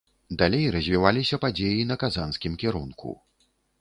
Далей развіваліся падзеі на казанскім кірунку.